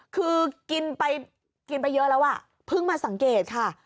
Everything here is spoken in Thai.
คือกินไปกินไปเยอะแล้วอ่ะเพิ่งมาสังเกตค่ะ